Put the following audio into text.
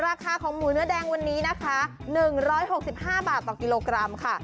ราคาของหมูเนื้อแดงวันนี้นะคะ๑๖๕บาทต่อกิโลกรัมค่ะ